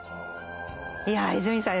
いや伊集院さん